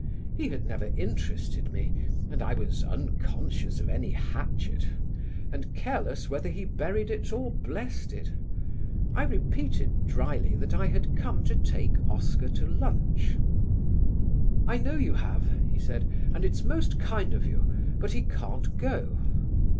He had never interested me, and I was unconscious of any hatchet and careless whether he buried it or blessed it. I repeated drily that I had come to take Oscar to lunch. "I know you have," he said, "and it's most kind of you; but he can't go."